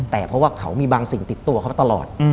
แต่เพราะว่าเขามีบางสิ่งติดตัวเขามาตลอด